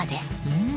うん！